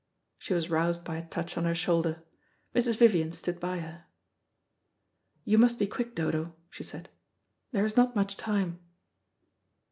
She was roused by a touch on her shoulder. Mrs. Vivian stood by her. "You must be quick, Dodo," she said. "There is not much time."